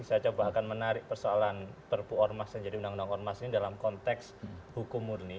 saya coba akan menarik persoalan perpu ormas yang jadi undang undang ormas ini dalam konteks hukum murni